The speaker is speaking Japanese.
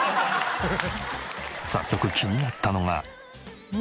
早速気になったのが。